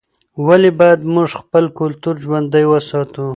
ولې باید موږ خپل کلتور ژوندی وساتو؟